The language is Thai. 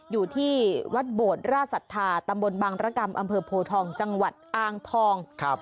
อยู่ที่วัดโบดราชศรัทธาตำบลบังรกรรมอำเภอโพทองจังหวัดอ่างทองครับ